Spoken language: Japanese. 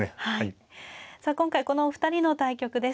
さあ今回このお二人の対局です。